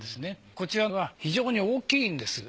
こちらは非常に大きいんですよね。